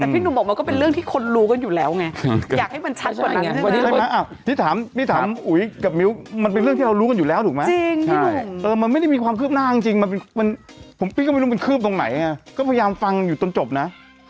จริงมันมันผมก็ไม่รู้มันคืบตรงไหนอ่ะก็พยายามฟังอยู่ต้นจบนะ